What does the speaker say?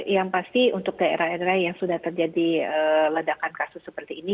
yang pasti untuk daerah daerah yang sudah terjadi ledakan kasus seperti ini